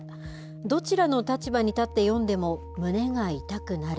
どちらの立場に立って読んでも胸が痛くなる。